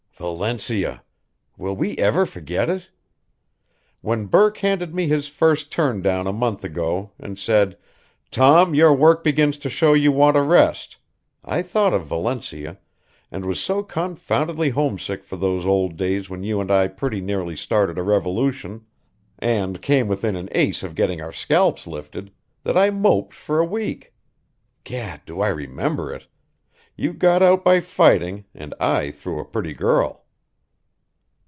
Valencia! Will we ever forget it? When Burke handed me his first turn down a month ago and said, 'Tom, your work begins to show you want a rest,' I thought of Valencia, and was so confoundedly homesick for those old days when you and I pretty nearly started a revolution, and came within an ace of getting our scalps lifted, that I moped for a week. Gad, do I remember it? You got out by fighting, and I through a pretty girl."